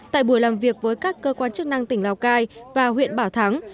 tại buổi làm việc với các cơ quan chức năng tỉnh lào cai và huyện bảo thắng